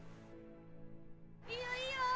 ・いいよいいよ！